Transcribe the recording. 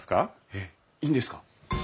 えっいいんですか？